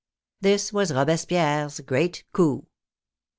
This was Robespierre's great coup.